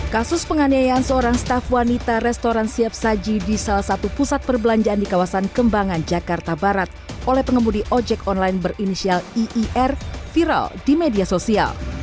kasus penganiayaan seorang staff wanita restoran siap saji di salah satu pusat perbelanjaan di kawasan kembangan jakarta barat oleh pengemudi ojek online berinisial iir viral di media sosial